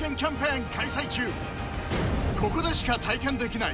ここでしか体験できない